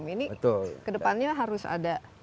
ini kedepannya harus ada